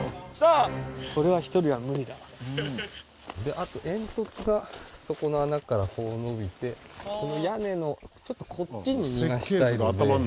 あと煙突がそこの穴からこう伸びて屋根のちょっとこっちに逃がしたいので。